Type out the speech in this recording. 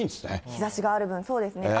日ざしがある分、そうですね。